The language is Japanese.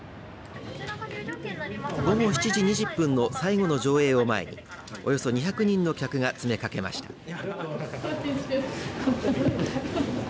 午後７時２０分の最後の上映を前におよそ２００人の客が詰めかけました。